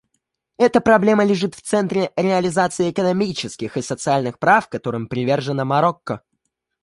Эта проблема лежит в центре реализации экономических и социальных прав, которым привержено Марокко.